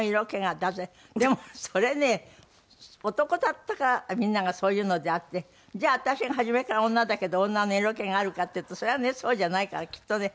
でもそれね男だったからみんながそう言うのであってじゃあ私初めから女だけど女の色気があるかっていうとそれはねそうじゃないからきっとね